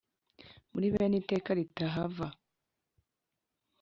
Muri bene iteka ritahava,